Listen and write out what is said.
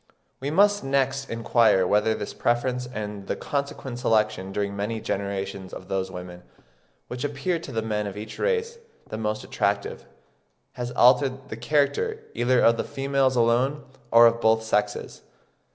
We must next inquire whether this preference and the consequent selection during many generations of those women, which appear to the men of each race the most attractive, has altered the character either of the females alone, or of both sexes.